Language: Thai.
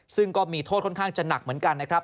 ซึ่งก็มีโทษค่อนข้างจะหนักเหมือนกันนะครับ